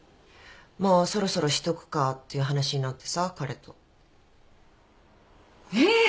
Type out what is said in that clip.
もうそろそろしとくかっていう話になってさ彼と。え。